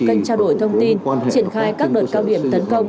kênh trao đổi thông tin triển khai các đợt cao điểm tấn công